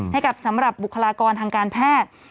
ให้กับสำหรับบุคลากรทางการแพทย์